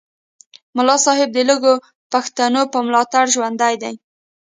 ملا صاحب د لږو پښتنو په ملاتړ ژوندی دی